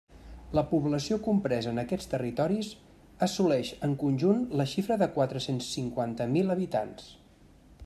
La població compresa en aquests territoris assoleix en conjunt la xifra de quatre-cents cinquanta mil habitants.